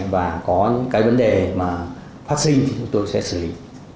và có những cái vấn đề mà phát sinh thì chúng tôi sẽ xử lý